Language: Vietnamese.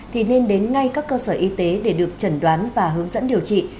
thì nên đến ngay các cơ sở y tế để được chẩn đoán và hướng dẫn điều trị